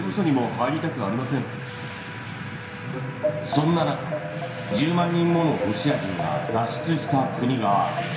そんな中、１０万人ものロシア人が脱出した国がある。